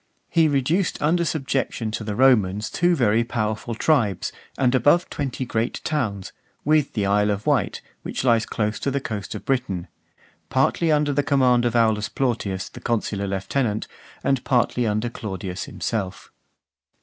He reduced under subjection to the Romans two very powerful tribes, and above twenty great towns, with the Isle of Wight, which lies close to the coast of Britain; partly under the command of Aulus Plautius, the consular lieutenant, and partly under Claudius himself .